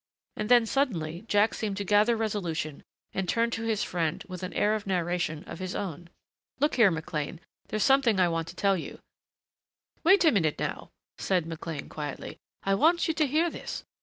And then suddenly Jack seemed to gather resolution and turned to his friend with an air of narration of his own. "Look here, McLean, there's something I want to tell you " "Wait a minute now," said McLean quietly. "I want you to hear this....